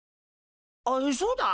あっそうだ！